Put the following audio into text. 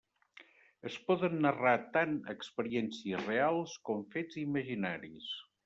Es poden narrar tant experiències reals com fets imaginaris.